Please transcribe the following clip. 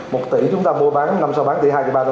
một tỷ chúng ta mua bán năm sau bán tỷ hai ba